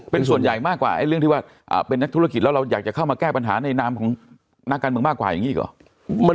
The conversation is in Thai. เป็นส่วนใหญ่มากกว่าเรื่องที่ว่าเป็นนักธุรกิจแล้วเราอยากจะเข้ามาแก้ปัญหาในนามของนักการเมืองมากกว่าอย่างนี้อีกหรอ